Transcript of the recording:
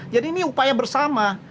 jadi ini upaya bersama